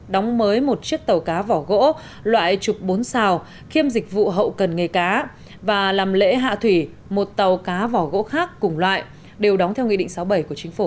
đóng mới một chiếc tàu cá vỏ gỗ loại chục bốn sao khiêm dịch vụ hậu cần nghề cá và làm lễ hạ thủy một tàu cá vỏ gỗ khác cùng loại đều đóng theo nghị định sáu bảy của chính phủ